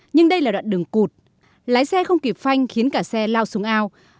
nhưng đây là đoạn đường cụt lái xe không kịp phanh khiến cả xe lao xuống ao